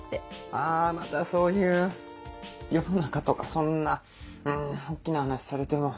あまたそういう世の中とかそんな大きな話されても。